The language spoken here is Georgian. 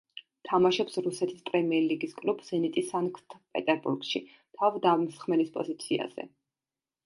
თამაშობს რუსეთის პრემიერლიგის კლუბ „ზენიტი სანქტ-პეტერბურგში“ თავდამსხმელის პოზიციაზე.